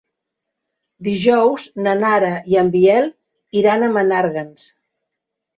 Dijous na Nara i en Biel iran a Menàrguens.